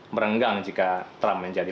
merenggang jika trump menjadi